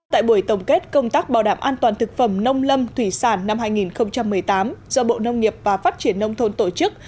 tại buổi tổng kết công tác bảo đảm an toàn thực phẩm nông lâm thủy sản năm hai nghìn một mươi tám do bộ nông nghiệp và phát triển nông thôn tổ chức